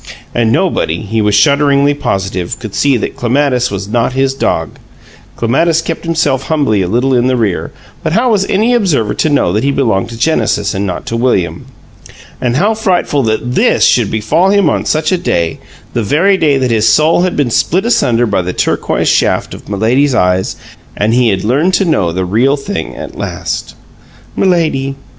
And nobody, he was shudderingly positive, could see that Clematis was not his dog (Clematis kept himself humbly a little in the rear, but how was any observer to know that he belonged to Genesis and not to William?) And how frightful that THIS should befall him on such a day, the very day that his soul had been split asunder by the turquoise shafts of Milady's eyes and he had learned to know the Real Thing at last! "Milady!